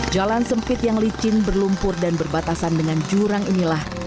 jalan sempit yang licin berlumpur dan berbatasan dengan jurang inilah